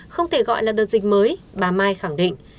không thể gọi là đợt dịch mới bà mai khẳng định